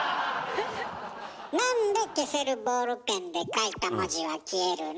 なんで消せるボールペンで書いた文字は消えるの？